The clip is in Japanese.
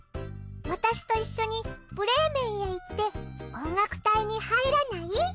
私といっしょにブレーメンへ行って音楽隊に入らない？